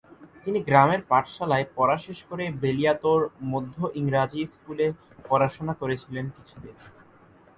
তিনি গ্রামের পাঠশালায় পড়া শেষ করে বেলিয়াতোড় মধ্য ইংরাজী স্কুলে পড়াশোনা করেছিলেন কিছুদিন।